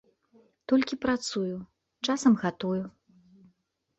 Толькі працую, часам гатую.